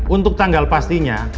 untuk tanggal pastinya